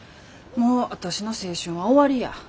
もう私の青春は終わりや。